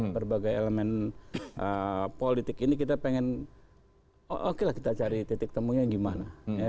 berbagai elemen politik ini kita pengen oke lah kita cari titik temunya yang gimana